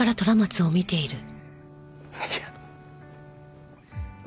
いや。